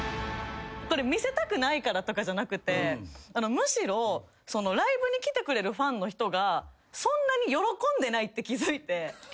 これ見せたくないからとかじゃなくてむしろライブに来てくれるファンの人が。って気付いて。